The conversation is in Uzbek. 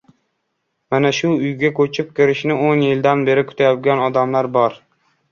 Mana shu uyga ko‘chib kirishni o‘n yildan beri kutyapgan odamlar bor!